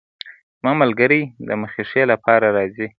زما ملګرې د مخې ښې لپاره راځي.